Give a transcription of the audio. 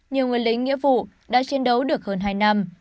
nhiều người lính nghĩa vụ đã chiến đấu được hơn hai năm